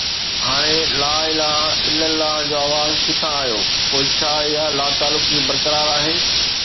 هاڻي ”لا اله الا الله“ جو آواز ڪٿان آيو، پوءِ ڇا اها لاتعلقي برقرار آهي؟